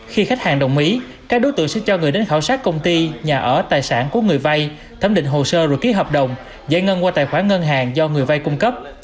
khi khách hàng đồng ý các đối tượng sẽ cho người đến khảo sát công ty nhà ở tài sản của người vay thẩm định hồ sơ rồi ký hợp đồng giải ngân qua tài khoản ngân hàng do người vay cung cấp